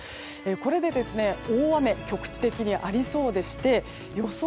これで、大雨が局地的にありそうでして予想